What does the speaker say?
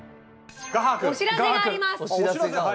お知らせがあります！